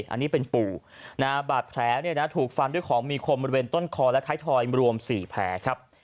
อันนี้เป็นปู่นะฮะบาดแผลเนี่ยนะถูกฟันด้วยของมีคมบริเวณต้นคอและไทยทอยรวมสี่แผลครับ